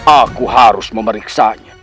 aku harus memeriksanya